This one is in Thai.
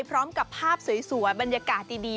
พร้อมกับภาพสวยบรรยากาศดี